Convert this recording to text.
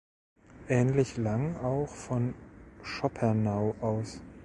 Ähnlich lang auch von Schoppernau aus.